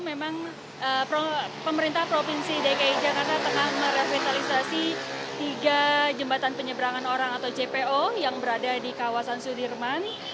memang pemerintah provinsi dki jakarta tengah merevitalisasi tiga jembatan penyeberangan orang atau jpo yang berada di kawasan sudirman